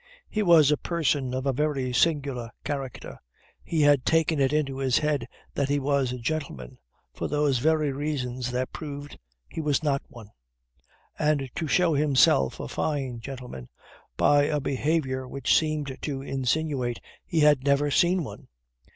He was a person of a very singular character. He had taken it into his head that he was a gentleman, from those very reasons that proved he was not one; and to show himself a fine gentleman, by a behavior which seemed to insinuate he had never seen one.